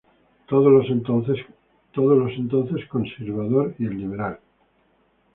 Todos de los entonces Conservador y el Liberal.